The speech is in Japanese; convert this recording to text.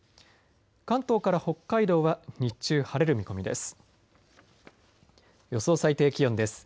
関東から北海道は日中、晴れる見込みです。